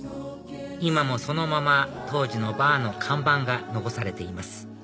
今もそのまま当時のバーの看板が残されています